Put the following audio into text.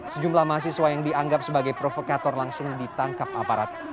sejumlah mahasiswa yang dianggap sebagai provokator langsung ditangkap aparat